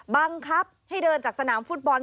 บังคับให้เดินจากสนามฟุตบอล